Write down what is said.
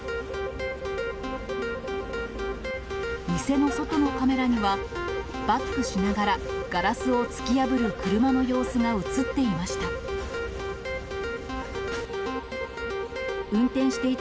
店の外のカメラには、バックしながらガラスを突き破る車の様子が写っていました。